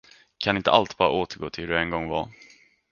Kan inte allt bara återgå till hur det en gång var?